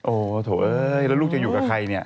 โถเอ้ยแล้วลูกจะอยู่กับใครเนี่ย